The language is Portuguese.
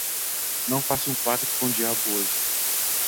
Não faça um pacto com o diabo hoje